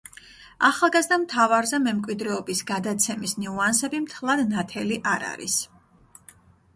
ახალგაზრდა მთავარზე მემკვიდრეობის გადაცემის ნიუანსები მთლად ნათელი არ არის.